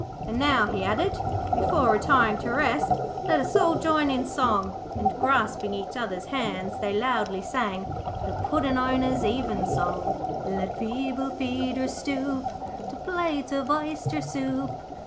And now,' he added, 'before retiring to rest, let us all join in song,' and grasping each other's hands they loudly sang THE PUDDIN' OWNERS' EVENSONG 'Let feeble feeders stoop To plates of oyster soup.